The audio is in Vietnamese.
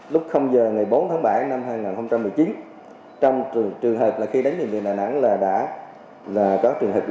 lúc h ngày bốn tháng bảy năm hai nghìn một mươi chín trong trường hợp khi đánh bệnh viện đà nẵng là đã có trường hợp